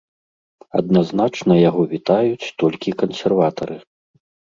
Адназначна яго вітаюць толькі кансерватары.